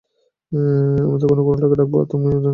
আমি তখনই কুড়ালটাকে ডাকবো, যখন তুমি ডেন্টিস্টটাকে ডাকবে।